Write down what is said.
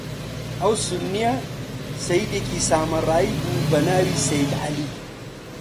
ئەو سوننییە سەییدێکی سامرایی بوو، بە ناوی سەیید عەلی